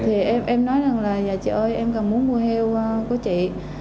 em nói là chị ơi em cần muốn mua heo của chị